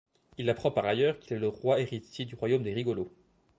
Il apprend par ailleurs qu'il est le roi héritier du royaume des rigolos.